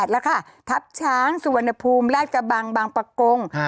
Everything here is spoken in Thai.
แล้วค่ะทัพช้างสุวรรณภูมิราชกระบังบางปะกง